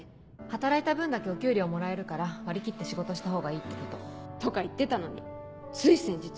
働いた分だけお給料もらえるから割り切って仕事したほうがいいってこととか言ってたのについ先日。